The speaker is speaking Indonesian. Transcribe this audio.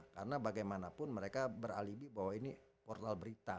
karena bagaimanapun mereka beralibi bahwa ini portal berita